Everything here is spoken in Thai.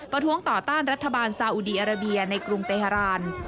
ท้วงต่อต้านรัฐบาลซาอุดีอาราเบียในกรุงเตฮาราน